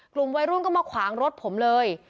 กลุ่มวัยรุ่นก็มาขวางรถผมเลย